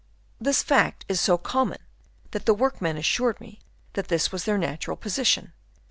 This fact is so common that the work men assured me that this was their natural position.